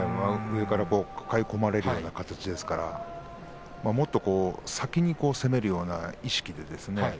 上から抱え込まれるような形ですからもっと先に攻めるような意識で。